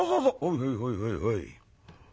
「はいはいはいはい。